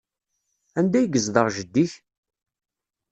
Anda ay yezdeɣ jeddi-k?